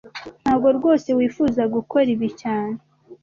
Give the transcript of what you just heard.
Ntago rwose wifuza gukora ibi cyane